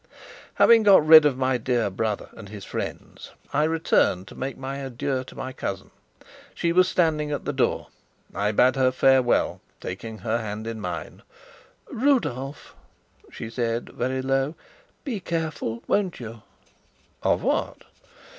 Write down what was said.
Having got rid of my dear brother and his friends, I returned to make my adieu to my cousin. She was standing at the door. I bade her farewell, taking her hand in mine. "Rudolf," she said, very low, "be careful, won't you?" "Of what?"